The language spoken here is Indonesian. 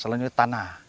selain itu tanah